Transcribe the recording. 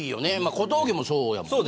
小峠もそうやもんね。